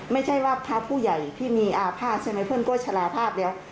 ไม่ใช่ว่าพระผู้ใหญ่ที่มีอาภาษณ์ใช่ไหมเพื่อนก็ชะลาภาพแล้ว